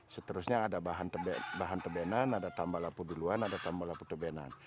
seterusnya ada bahan tebenan ada tambah lapu duluan ada tambah lapu tebenan